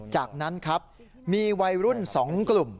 จากนั้นครับมีวัยรุ่น๒กลุ่ม